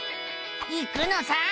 行くのさ！